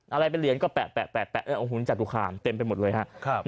อะไรเป็นเหรียญก็แปะโอ้โหจตุคามเต็มไปหมดเลยครับ